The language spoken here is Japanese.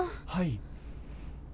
はい。